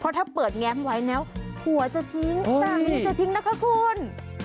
เพราะถ้าเปิดแงบไว้แล้วหัวจะทิ้งต่างนี้จะทิ้งนะครับคุณ